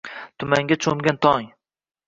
Tumanga cho`mgan tong